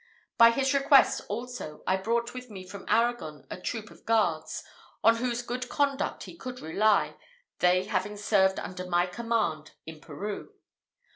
By his request, also, I brought with me from Arragon a troop of guards, on whose good conduct he could rely, they having served under my command in Peru.